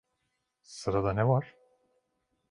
Sırada ne var?